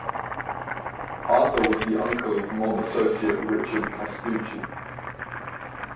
Arthur was the uncle of mob associate Richard Castucci.